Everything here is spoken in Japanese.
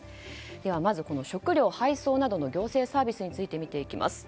では、まず食料配送などの行政サービスについて見ていきます。